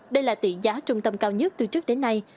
đây là tỷ giá trung tâm cao nhất từ trước đến nay